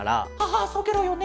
ああそうケロよね。